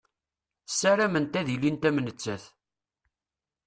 Ssarament ad ilint am nettat.